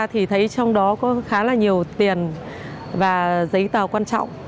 thì thấy trong đó có khá là nhiều tiền và giấy tờ quan trọng